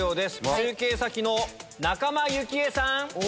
中継先の仲間由紀恵さん！